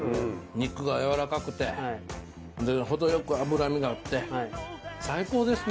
肉がやわらかくて程よく脂身があって最高ですね